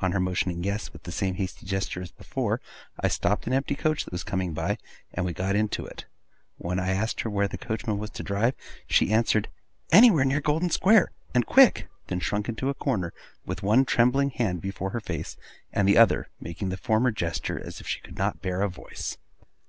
On her motioning Yes, with the same hasty gesture as before, I stopped an empty coach that was coming by, and we got into it. When I asked her where the coachman was to drive, she answered, 'Anywhere near Golden Square! And quick!' then shrunk into a corner, with one trembling hand before her face, and the other making the former gesture, as if she could not bear a voice.